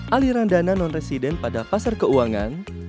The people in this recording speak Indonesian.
aliran dana non residen pada pasar keuangan